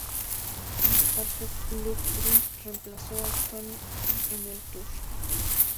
Parker Lundgren reemplazó a Stone en el tour.